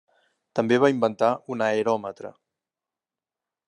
També va inventar un areòmetre.